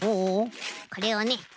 これをね